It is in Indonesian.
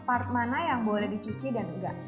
part mana yang boleh dicuci dan enggak